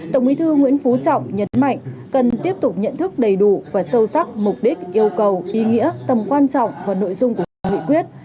tổng bí thư nguyễn phú trọng nhấn mạnh cần tiếp tục nhận thức đầy đủ và sâu sắc mục đích yêu cầu ý nghĩa tầm quan trọng và nội dung của từng nghị quyết